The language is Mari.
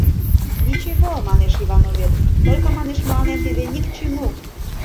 — Ничево, — манеш Ивановет, — только, манеш, мыланем тиде ни к чему...